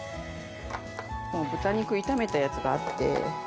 豚肉、炒めたやつがあって。